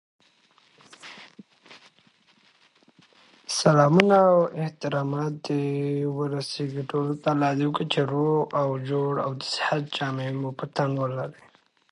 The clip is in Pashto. مېلې اد ولسونو د تفاهم او یووالي زمینه برابروي.